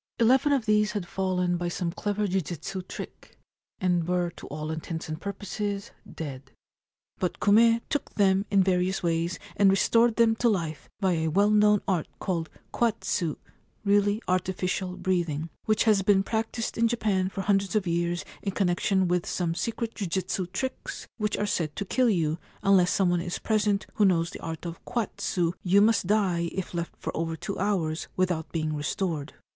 Eleven of these had fallen by some clever jujitsu trick, and were to all intents and purposes dead ; but Kume took them in various ways and restored them to life by a well known art called kwatsu (really artificial breathing), which has been practised in Japan for hundreds of years in connection with some secret jujitsu tricks which are said to kill you — unless some one is present who knows the art of kwatsu you must die if left for over two hours without being restored.